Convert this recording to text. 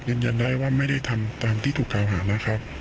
ยืนยันได้ว่าไม่ได้ทำตามที่ถูกกล่าวหานะครับ